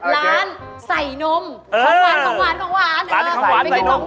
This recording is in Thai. ร้านใส่นมของหวานไปกินของหวาน